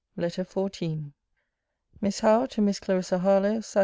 LETTER XIV MISS HOWE, TO MISS CLARISSA HARLOWE SAT.